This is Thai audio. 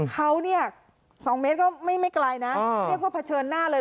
เขาเนี่ย๒เมตรก็ไม่ไกลนะเรียกว่าเผชิญหน้าเลย